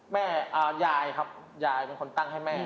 แม่ยายครับยายเป็นคนตั้งให้แม่